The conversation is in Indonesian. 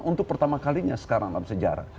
untuk pertama kalinya sekarang dalam sejarah